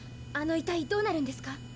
あの遺体どうなるんですか？